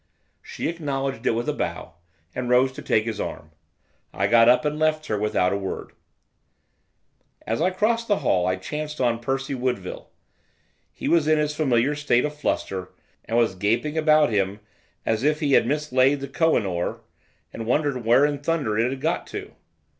She acknowledged it with a bow, and rose to take his arm. I got up, and left her, without a word. As I crossed the hall I chanced on Percy Woodville. He was in his familiar state of fluster, and was gaping about him as if he had mislaid the Koh i noor, and wondered where in thunder it had got to.